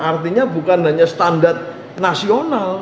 artinya bukan hanya standar nasional